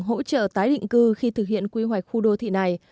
hỗ trợ tái định cư khi thực hiện quy hoạch khu đô thị này